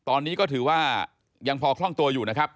ตอนนี้ก็ถือว่ายังพอคล่องตัวอยู่นะครับ